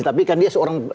tapi kan dia seorang